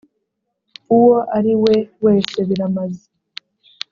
uwo ari we wese biramaze.